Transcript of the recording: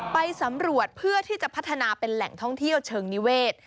ไปสำรวจเพื่อที่จะพัฒนาเป็นแหล่งท่องเที่ยวเชิงนิเวศ